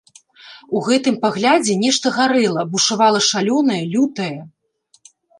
У гэтым паглядзе нешта гарэла, бушавала шалёнае, лютае.